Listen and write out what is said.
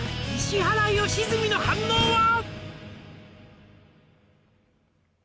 「石原良純の反応は？」